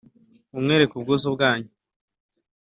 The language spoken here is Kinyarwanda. mumwereke ubwuzu bwanyu